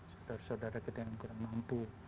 saudara saudara kita yang tidak mampu